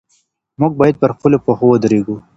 موږ بايد پر خپلو پښو ودرېږو.